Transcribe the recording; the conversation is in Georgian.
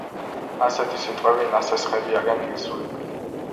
ასეთი სიტყვები ნასესხები არიან ინგლისურიდან.